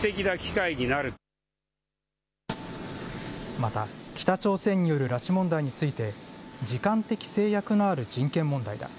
また、北朝鮮による拉致問題について時間的制約のある人権問題だ。